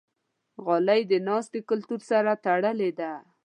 غالۍ د ناستې کلتور سره تړلې ده.